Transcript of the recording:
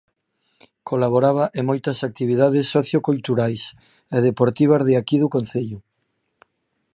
Colaboraba en moitas actividade socioculturais e deportivas de aquí do concello.